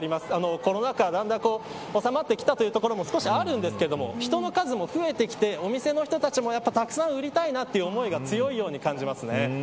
コロナ禍、だんだん収まってきたところも少しあるんですけど人の数も増えてきてお店の人たちもたくさん売りたいという思いが強いように感じます。